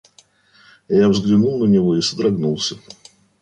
Я взглянул на него и содрогнулся.